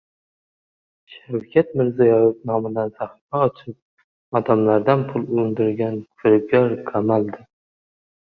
Shavkat Mirziyoyev nomidan sahifa ochib, odamlardan pul undirgan firibgar qamaldi